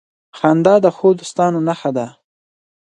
• خندا د ښو دوستانو نښه ده.